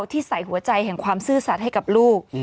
ที่ใส่หัวใจแห่งความซื่อสัตว์ให้กับลูก